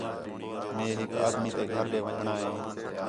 مئے ہِک آدمی تے گھر ݙے ون٘ڄݨاں ہِے